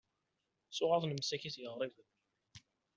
Ttuɣaḍen msakit yiɣriben.